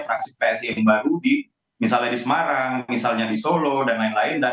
fraksi psi yang baru misalnya di semarang misalnya di solo dan lain lain